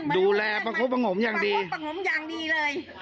ดูแลประโคปะโงมอย่างดีประโคปะโงมอย่างดีเลย